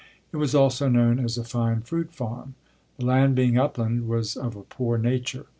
It was also known as a fine fruit farm. The land being upland was of a poor nature.